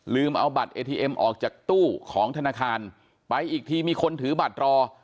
เอาบัตรเอทีเอ็มออกจากตู้ของธนาคารไปอีกทีมีคนถือบัตรรอ